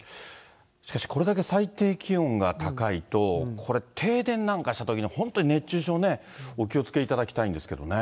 しかし、これだけ最低気温が高いと、停電なんかしたとき、本当に熱中症ね、お気をつけいただきたいんですけどね。